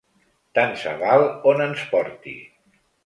Tant se val on ens porti!